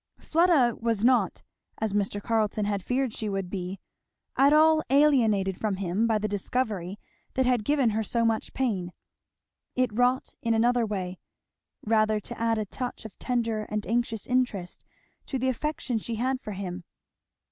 Fleda was not, as Mr. Carleton had feared she would be, at all alienated from him by the discovery that had given her so much pain. It wrought in another way, rather to add a touch of tender and anxious interest to the affection she had for him.